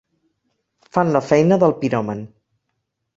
Fan la feina del piròman.